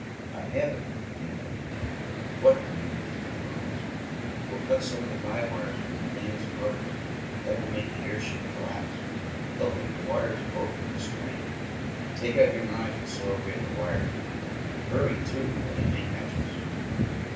"I have it!" came from Andy. "What?" demanded his two cronies. "We'll cut some of the guy wires from the planes and rudders. That will make the airship collapse. They'll think the wires broke from the strain. Take out your knives and saw away at the wires. Hurry, too, or they may catch us."